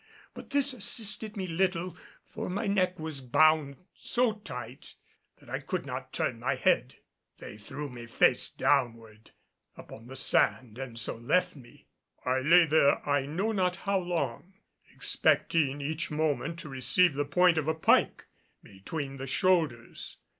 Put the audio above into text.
But this assisted me little, for my neck was bound so tight that I could not turn my head. They threw me face downward upon the sand and so left me. I lay there I know not how long, expecting each moment to receive the point of a pike between the shoulders.